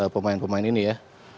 pemain pemain ini ya